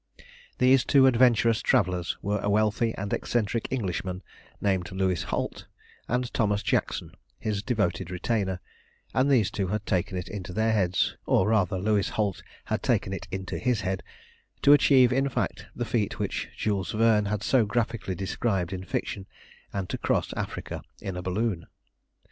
These two adventurous travellers were a wealthy and eccentric Englishman, named Louis Holt, and Thomas Jackson, his devoted retainer, and these two had taken it into their heads or rather Louis Holt had taken it into his head to achieve in fact the feat which Jules Verne had so graphically described in fiction, and to cross Africa in a balloon.